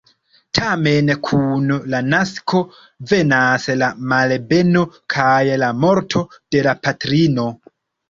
Tamen kun la nasko venas la malbeno kaj la morto de la patrino.